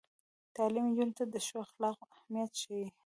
تعلیم نجونو ته د ښو اخلاقو اهمیت ښيي.